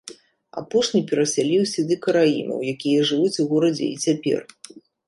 Апошні перасяліў сюды караімаў, якія жывуць у горадзе і цяпер.